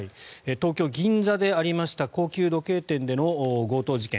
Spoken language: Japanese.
東京・銀座でありました高級時計店での強盗事件。